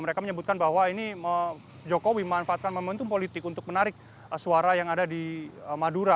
mereka menyebutkan bahwa ini jokowi memanfaatkan momentum politik untuk menarik suara yang ada di madura